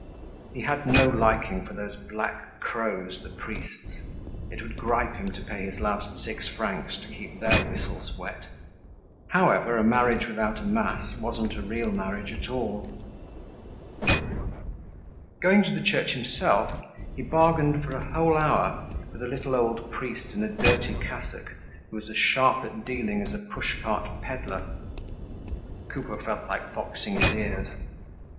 He had no liking for those black crows, the priests. It would gripe him to pay his last six francs to keep their whistles wet; however, a marriage without a mass wasn't a real marriage at all. Going to the church himself, he bargained for a whole hour with a little old priest in a dirty cassock who was as sharp at dealing as a push cart peddler. Coupeau felt like boxing his ears.